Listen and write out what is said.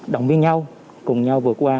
đồng viên nhau cùng nhau vượt qua